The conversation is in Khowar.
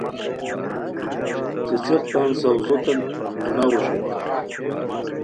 څیڅیق تان ساؤزو تین پھوناؤ اوشونی